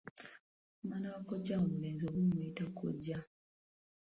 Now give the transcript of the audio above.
Omwana wa kojjaawo omulenzi oba omuyita kkojja.